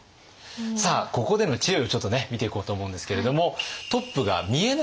さあここでの知恵をちょっとね見ていこうと思うんですけれども。